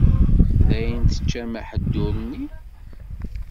Dayen teččam aḥeddur-nni?